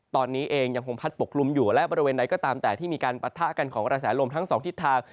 ตอนนี้เองยังคงพัดปกคลุมอยู่และบริเวณใดก็ตามแต่ที่มีการปะทะกันของกระแสลมทั้งสองทิศทาง